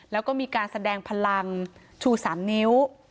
แล้วก็มีการแสดงพลังชู๓นิ้ว